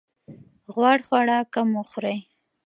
غوړ خواړه کم وخورئ.